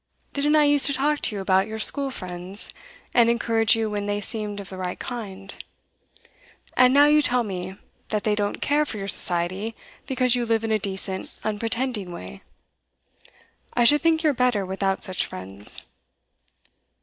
Didn't I use to talk to you about your school friends, and encourage you when they seemed of the right kind? And now you tell me that they don't care for your society because you live in a decent, unpretending way. I should think you're better without such friends.